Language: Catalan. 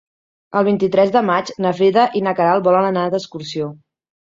El vint-i-tres de maig na Frida i na Queralt volen anar d'excursió.